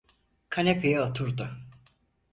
Kanepeye oturdu.